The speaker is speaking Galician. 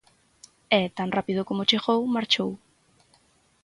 E, tan rápido como chegou, marchou.